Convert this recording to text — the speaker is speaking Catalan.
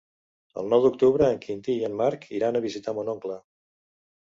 El nou d'octubre en Quintí i en Marc iran a visitar mon oncle.